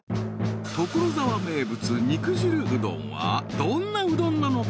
［所沢名物肉汁うどんはどんなうどんなのか？］